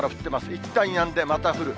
いったんやんで、また降る。